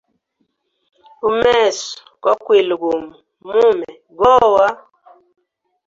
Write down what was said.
Umeso kwa kwile gumo, mume gowa.